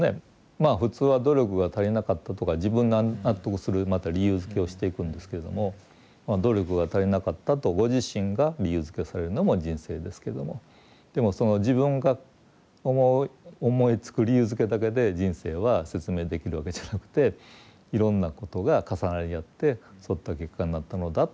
まあ普通は努力が足りなかったとか自分が納得するまた理由づけをしていくんですけれどもまあ努力が足りなかったとご自身が理由づけをされるのも人生ですけどもでもその自分が思う思いつく理由づけだけで人生は説明できるわけじゃなくていろんなことが重なり合ってそういった結果になったのだっていう。